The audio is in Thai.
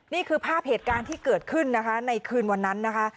นี่คือภาพเหตุการณ์ที่เกิดขึ้นนะคะในคืนวันนั้นนะคะ